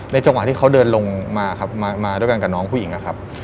จังหวะที่เขาเดินลงมาครับมาด้วยกันกับน้องผู้หญิงนะครับ